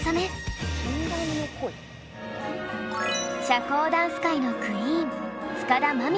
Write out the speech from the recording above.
社交ダンス界のクイーン塚田真美さん。